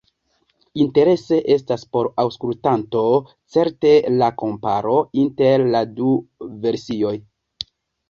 Interese estas por aŭskultanto certe la komparo inter la du versioj.